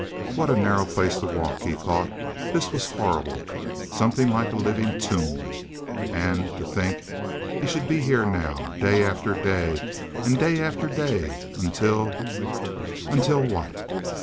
What a narrow place to walk, he thought. This was horrible—something like a living tomb. And to think he should be here now, day after day and day after day, until—until what?